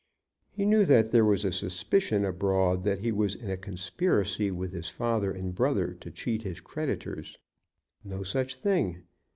He knew that there was a suspicion abroad that he was in a conspiracy with his father and brother to cheat his creditors. No such thing.